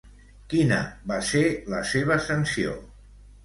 Quina va ser la seva sanció?